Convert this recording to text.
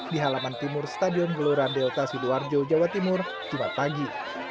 di halaman timur stadion gelora delta sidoarjo jawa timur jumat pagi